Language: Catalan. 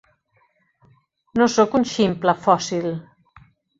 No sóc un ximple fòssil.